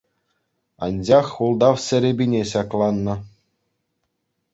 Анчах ултав серепине ҫакланнӑ.